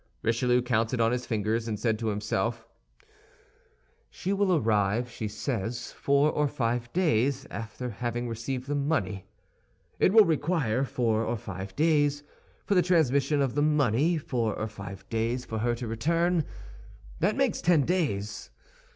Richelieu counted on his fingers, and said to himself, "She will arrive, she says, four or five days after having received the money. It will require four or five days for the transmission of the money, four or five days for her to return; that makes ten days.